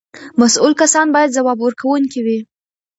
مسؤل کسان باید ځواب ورکوونکي وي.